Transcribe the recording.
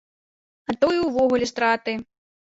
А то і ўвогуле страты.